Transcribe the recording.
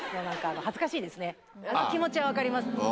あの気持ち分かります。